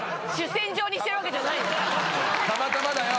たまたまだよ。